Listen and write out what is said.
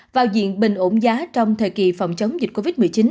vào diện bình ổn giá trong thời kỳ phòng chống dịch covid một mươi chín